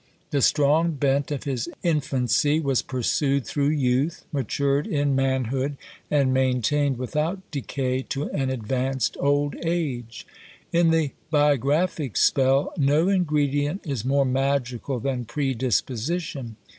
The strong bent of his infancy was pursued through youth, matured in manhood, and maintained without decay to an advanced old age. In the biographic spell, no ingredient is more magical than predisposition.